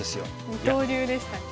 二刀流でしたっけ？